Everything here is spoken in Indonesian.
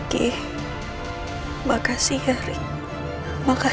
kita pasti bisa memperkenalkan